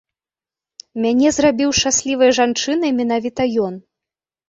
Мяне зрабіў шчаслівай жанчынай менавіта ён.